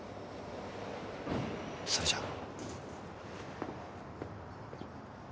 それじゃあ。